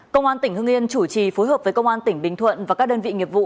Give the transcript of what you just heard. công an tỉnh hưng yên chủ trì phối hợp với công an tỉnh bình thuận và các đơn vị nghiệp vụ